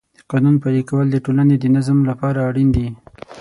د قانون پلي کول د ټولنې د نظم لپاره اړین دی.